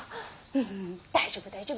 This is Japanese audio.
ふふ大丈夫大丈夫。